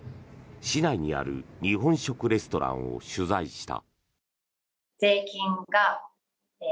市内にある日本食レストランを取材した。